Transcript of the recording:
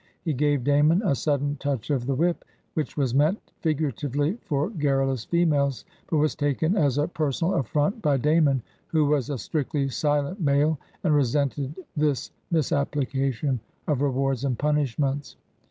He gave Damon a sudden touch of the whip, which was meant fig uratively for garrulous females, but was taken as a per sonal affront by Damon, who was a strictly silent male and resented this misapplication of rewards and punishments.